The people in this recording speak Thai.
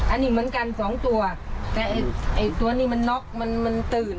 อันนี้เหมือนกันสองตัวแต่ไอ้ตัวนี้มันน็อกมันมันตื่น